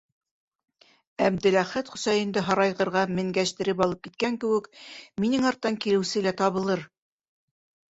Әптеләхәт Хөсәйенде һарайғырға менгәштереп алып киткән кеүек, минең арттан килеүсе лә табылыр.